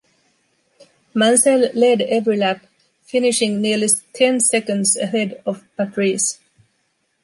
Mansell led every lap, finishing nearly ten seconds ahead of Patrese.